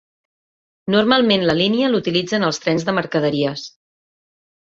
Normalment la línia l'utilitzen els trens de mercaderies.